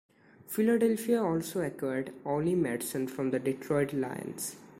Philadelphia also acquired Ollie Matson from the Detroit Lions.